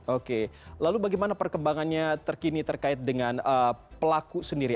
oke lalu bagaimana perkembangannya terkini terkait dengan pelaku sendiri